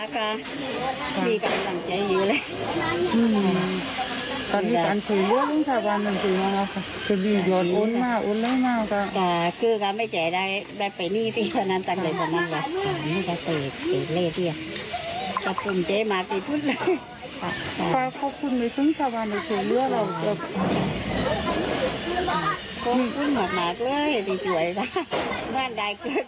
ขอบคุณมากเลยได้เกิดมั้ยได้บัญมั้ยกล่าวที่เจออีก